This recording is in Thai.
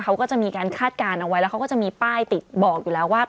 เขาก็จะมีการคาดการณ์เอาไว้แล้วเขาก็จะมีป้ายติดบอกอยู่แล้วว่า